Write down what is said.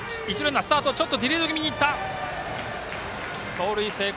盗塁成功。